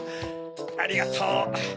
ありがとう！